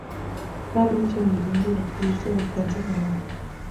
Carroll es sobreviviente y activista del cáncer de mama.